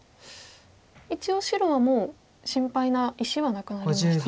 一応白はもう心配な石はなくなりましたか。